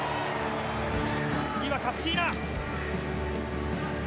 次はカッシーナ。